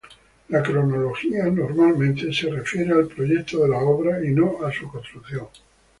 La cronología normalmente refiere al proyecto de las obras y no a su construcción.